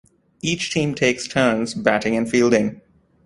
Each team takes turns batting and fielding.